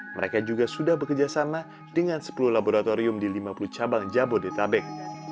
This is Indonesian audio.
mereka juga sudah bekerjasama dengan sepuluh laboratorium di lima puluh cabang jabodetabek